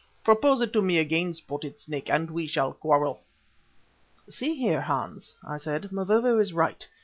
Propose it to me again, Spotted Snake, and we shall quarrel." "See here, Hans," I said. "Mavovo is right.